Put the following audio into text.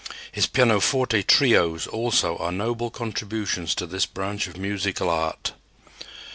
His pianoforte trios also are noble contributions to this branch of musical art.